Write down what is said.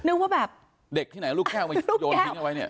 ว่าแบบเด็กที่ไหนเอาลูกแก้วมาโยนทิ้งเอาไว้เนี่ย